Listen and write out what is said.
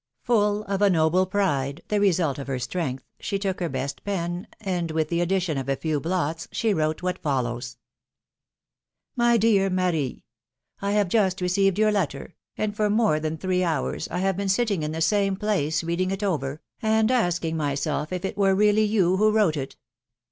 Full of a noble pride, the result of her strength, she took her best pen, and with the addition of a few blots, she wrote what follows : My Dear Marie: — I have just received your letter, and for more than three hours I have been sitting in the 320 PHILOMi^NE^S MAEEIAGES. same place reading it over, and asking myself if it were really you who wrote it.